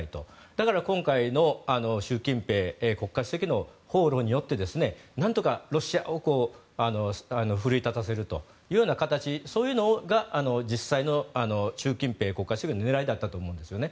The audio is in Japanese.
だから今回の習近平国家主席の訪ロによってなんとかロシアを奮い立たせるというような形そういうのが実際の習近平国家主席の狙いだったと思うんですよね。